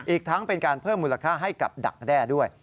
อีกทั้งเป็นการเพิ่มมูลค่าให้กับดักแด้ด้วย